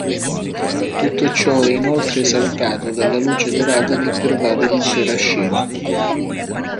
Tutto ciò è inoltre esaltato dalla luce dorata che pervade l'intera scena.